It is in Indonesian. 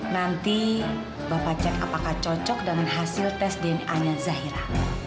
nanti bapak cek apakah cocok dan hasil tes dna nya zahira